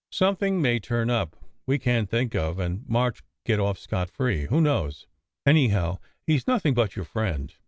Something may turn up we can t think of, and March get off scot free. Who knows? Anyhow, he s nothing but your friend.